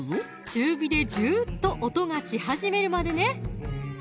中火でジューッと音がし始めるまでね